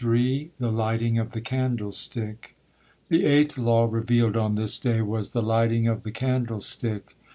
THE LIGHTING OF THE CANDLESTICK The eighth law revealed on this day was the lighting of the candlestick.